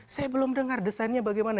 saya belum dengar desainnya bagaimana